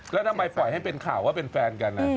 แล้วทำไมปล่อยให้เป็นข่าวว่าเป็นแฟนกัน